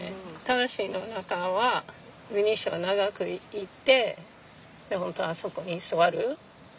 正の中はベニシア長くいて本当はあそこに座る。